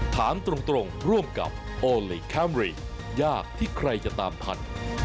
ถามตรงร่วมกับโอลี่คัมรี่ยากที่ใครจะตามทัน